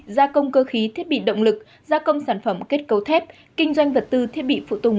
gia công cơ khí thiết bị động lực gia công sản phẩm kết cấu thép kinh doanh vật tư thiết bị phụ tùng